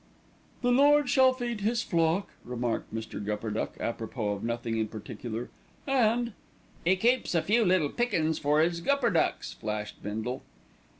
"The Lord shall feed his flock," remarked Mr. Gupperduck apropos of nothing in particular, "and " "'E keeps a few little pickin's for 'Is Gupperducks," flashed Bindle.